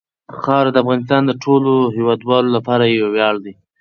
خاوره د افغانستان د ټولو هیوادوالو لپاره یو ویاړ دی.